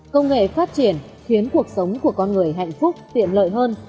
công nghệ phát triển khiến cuộc sống của con người hạnh phúc tiện lợi hơn